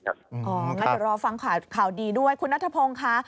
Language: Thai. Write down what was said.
อ๋องั้นเดี๋ยวรอฟังข่าวดีด้วยคุณนัททะพงค่ะ